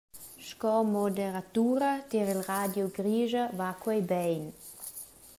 Sco moderatura tier il Radio Grischa va quei bein.